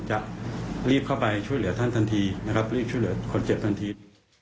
จะรีบเข้าไปช่วยเหลือท่านทันทีนะครับรีบช่วยเหลือคนเจ็บทันที